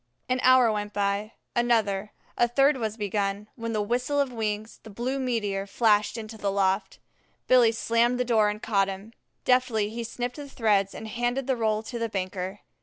An hour went by, another, and a third was begun, when with whistle of wings, the blue meteor flashed into the loft. Billy slammed the door and caught him. Deftly he snipped the threads and handed the roll to the banker.